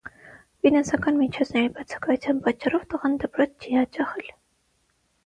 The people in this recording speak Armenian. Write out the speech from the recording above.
Ֆինանսական միջոցների բացակայության պատճառով տղան դպրոց չի հաճախել։